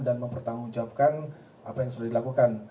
dan mempertanggungjawabkan apa yang sudah dilakukan